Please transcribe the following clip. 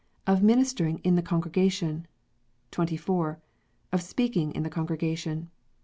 Of Ministering in the Congre gation. 24. Of Speaking in the Congrega tion.